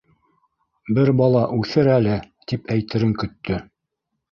Бер бала үҫер әле, - тип әйтерен көттө.